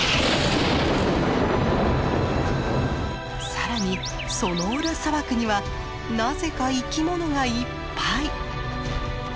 更にソノーラ砂漠にはなぜか生き物がいっぱい。